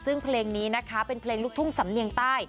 ซึ่งเพลงนี้นะคะเป็นเพลงลูกทุ่งสำเนียงใต้